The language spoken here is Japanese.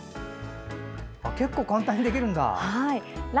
結構簡単にできるんだ。